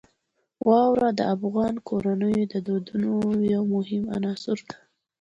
واوره د افغان کورنیو د دودونو یو مهم عنصر دی.